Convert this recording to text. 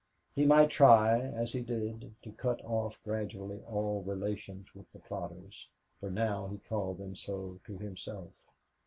He might try, as he did, to cut off gradually all relations with the plotters, for now he called them so to himself.